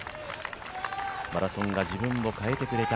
マラソンが自分を変えてくれた。